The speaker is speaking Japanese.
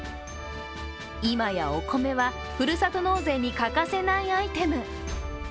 今や、お米はふるさと納税に欠かせないアイテム。